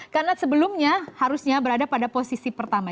karena sebelumnya harusnya berada pada posisi pertama